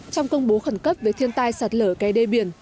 trong công bố khẩn cấp về thiên tai sạt lở cây đê biển